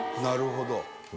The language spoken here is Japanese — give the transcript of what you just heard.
なるほど。